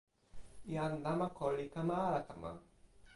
jan namako li kama ala kama?